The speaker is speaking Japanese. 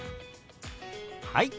はい！